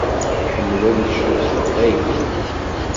Iḥemmel ad icnu s teqbaylit.